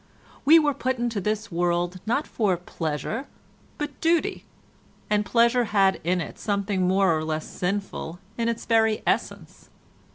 We were put into this world not for pleasure but duty, and pleasure had in it something more or less sinful in its very essence.